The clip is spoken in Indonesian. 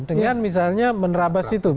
dengan misalnya menerabas itu